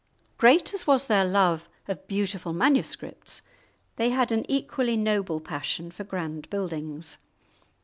Great as was their love of beautiful manuscripts, they had an equally noble passion for grand buildings.